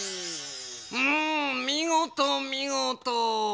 うんみごとみごと！